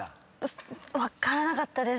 分からなかったです。